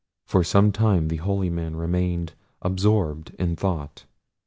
For some time the holy man remained absorbed in thought.